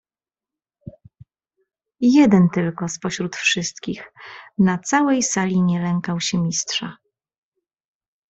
"Jeden tylko z pośród wszystkich na całej sali nie lękał się Mistrza."